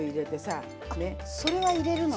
あそれは入れるの？